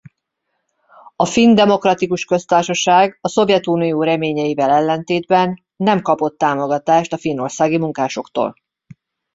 A Finn Demokratikus Köztársaság a Szovjetunió reményeivel ellentétben nem kapott támogatást a finnországi munkásoktól.